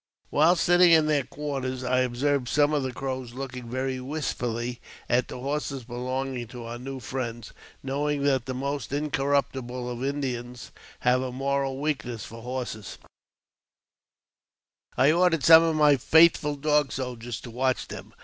While sitting in their quarters, I observed some of the Crows looking very wistfully at the horses belonging to our new friends. Knowing that the most incorruptible of Indians have a moral weakness for ^horses, I ordered some of my faithful Dog Soldiers to watch them.